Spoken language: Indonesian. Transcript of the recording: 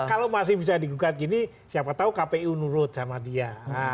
kalau masih bisa digugat gini siapa tahu kpu nurut sama dia